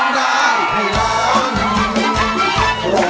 ร้องได้ให้ร้าน